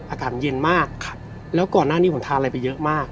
อากาศมันเย็นมากแล้วก่อนหน้านี้ผมทานอะไรไปเยอะมาก